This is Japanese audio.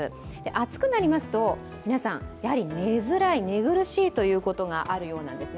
暑くなりますと、皆さんやはり寝づらい、寝苦しいということがあるようなんです。